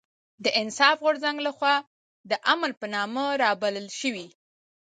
د انصاف غورځنګ لخوا د امن په نامه رابلل شوې